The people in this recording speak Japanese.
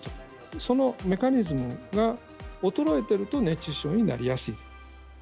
そのメカニズムが衰えてると、熱中症になりやすい。